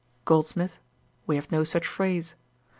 GOLDSMITH. 'We have no such phrase.'